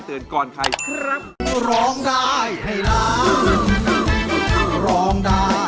กินยาชุดสเตอรอยตกค้าง